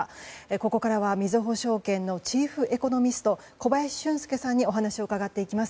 ここからはみずほ証券のチーフエコノミスト小林俊介さんにお話を伺っていきます。